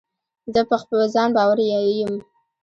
زه په ځان باوري یم.